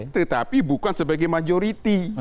tetapi bukan sebagai majority